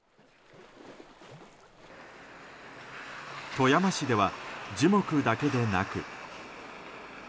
富山市では樹木だけでなく。